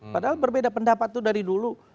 padahal berbeda pendapat itu dari dulu